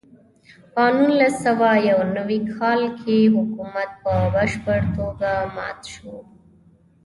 په نولس سوه یو نوي کال کې حکومت په بشپړه توګه مات شو.